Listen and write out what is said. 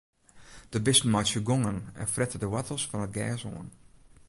De bisten meitsje gongen en frette de woartels fan it gers oan.